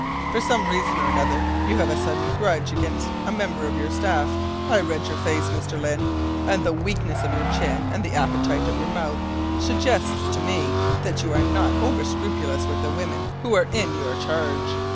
For some reason or other you have a sudden grudge against a member of your staff. I read your face, Mr. Lyne, and the weakness of your chin and the appetite of your mouth suggest to me that you are not over scrupulous with the women who are in your charge.